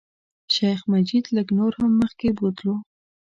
شیخ مجید لږ نور هم مخکې بوتلو.